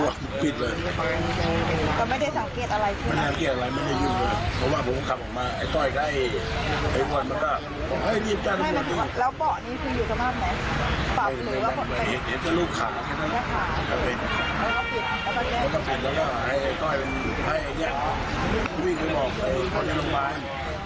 ให้เนี้ยวิ่งไปบอกเฮ้ยเขาจะทำบ้าน